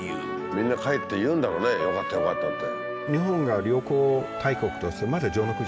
みんな帰って言うんだろうね「よかったよかった」って。